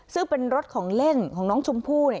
ซึ่งเป็นรถของเล่นของน้องชมพู่